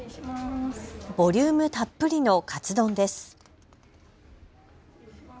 ボリュームたっぷりのカツ丼です。